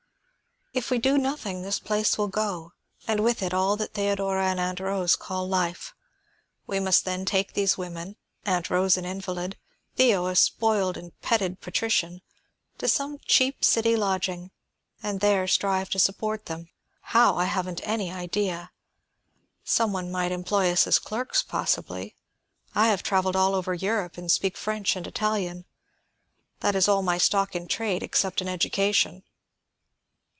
If we do nothing, this place will go, and with it all that Theodora and Aunt Rose call life. We must then take these women, Aunt Rose an invalid, Theo a spoiled and petted patrician, to some cheap city lodging, and there strive to support them. How, I haven't any idea. Some one might employ us as clerks, possibly. I have traveled all over Europe and speak French and Italian; that is all my stock in trade, except an education."